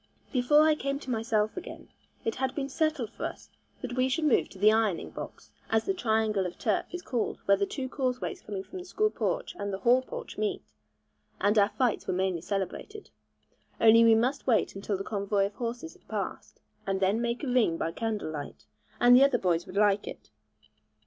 Before I came to myself again, it had been settled for us that we should move to the 'Ironing box,' as the triangle of turf is called where the two causeways coming from the school porch and the hall porch meet, and our fights are mainly celebrated; only we must wait until the convoy of horses had passed, and then make a ring by candlelight, and the other boys would like it.